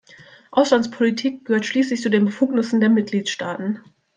Auslandspolitik gehört schließlich zu den Befugnissen der Mitgliedstaaten.